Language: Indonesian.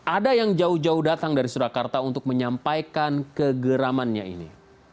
ada yang jauh jauh datang dari surakarta untuk menyampaikan kegeramannya ini